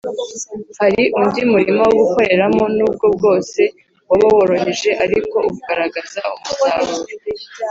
. Hari undi murima wo gukoreramo, n’ubwo bwose waba woroheje, ariko ugaragaza umusaruro